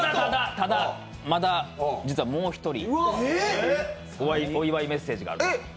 ただ、まだもう一人、お祝いメッセージがある。